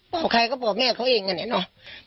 บอกใครก็บอกแม่เขาเองกันเนี่ยเนาะ